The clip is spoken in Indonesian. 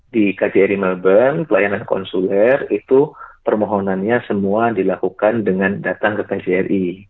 di kjri melbourne pelayanan konsuler itu permohonannya semua dilakukan dengan datang ke kjri